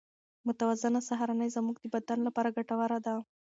متوازنه سهارنۍ زموږ د بدن لپاره ګټوره ده.